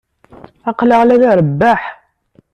Aql-aɣ la nrebbeḥ.